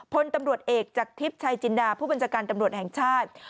พลตำรวจเอกจากทิพย์ชายจินดาผู้บัญชาการตำรวจแห่งชาติ